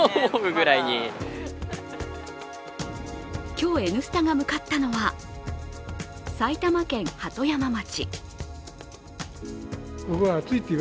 今日「Ｎスタ」が向かったのは埼玉県鳩山町。